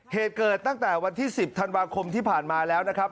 เหตุเกิดตั้งแต่วันที่๑๐ธันวาคมที่ผ่านมาแล้วนะครับ